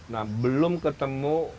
nah belum ketemu